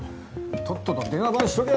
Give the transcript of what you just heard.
とっとと電話番しとけ。